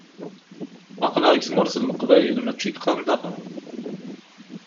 Aql-aɣ deg tmurt n Leqbayel, mačči deg Qandahaṛ.